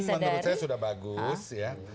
menurut saya sudah bagus ya